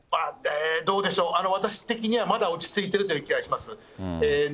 どうでしょう、私的には、まだ落ち着いてるというような気がします。